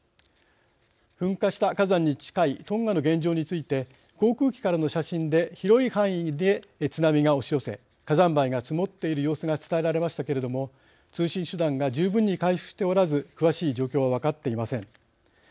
噴火した火山に近いトンガの現状について航空機からの写真で広い範囲で津波が押し寄せ火山灰が積もっている様子が伝えられましたけれども通信手段が十分に回復しておらず詳しい状況は分かっていません。